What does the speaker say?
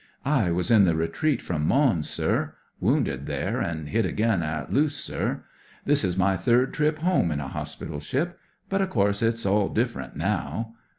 " I was in the retreat from Mons, sir ; woimded there, and hit again at Loos, sir. This is my tiiird trip home in a ho^ital ship. But, of course, it's all different now."